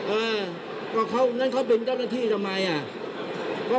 เออก็งั้นเขาเป็นเจ้าหน้าที่ทำไมอ่ะ